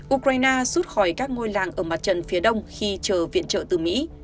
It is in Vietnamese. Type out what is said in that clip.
ukraine rút khỏi các ngôi làng ở mặt trận phía đông khi chờ viện trợ từ mỹ